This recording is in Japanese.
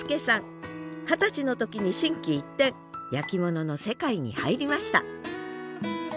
二十歳の時に心機一転焼き物の世界に入りました